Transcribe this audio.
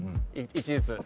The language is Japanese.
１ずつ。